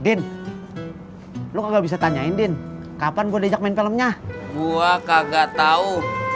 din lu nggak bisa tanyain din kapan gue dejak main filmnya gua kagak tahu